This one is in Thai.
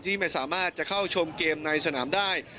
ไม่สามารถจะเข้าชมเกมในสนามได้